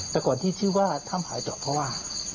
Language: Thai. แต่ก่อนที่ชื่อว่าถ้ำหายเจาะเพราะว่า